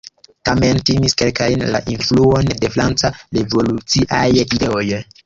Tamen timis kelkajn la influon de franca revoluciaj ideoj.